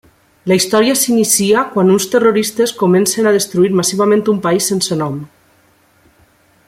La història s'inicia quan uns terroristes comencen a destruir massivament un país sense nom.